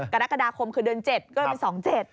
กรกฎาคมคือเดือน๗ก็เลยเป็น๒๗